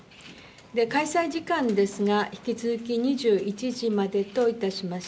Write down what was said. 開催時間ですが、引き続き２１時までといたします。